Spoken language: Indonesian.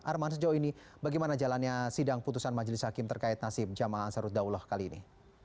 arman sejauh ini bagaimana jalannya sidang putusan majelis hakim terkait nasib jamaah ansaruddaullah kali ini